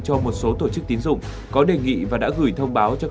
cho một số tổ chức tín dụng có đề nghị và đã gửi thông báo cho